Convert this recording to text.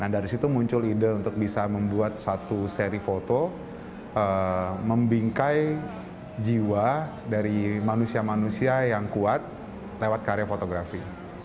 dari situ muncul ide untuk bisa membuat satu seri foto membingkai jiwa dari manusia manusia yang kuat lewat karya fotografi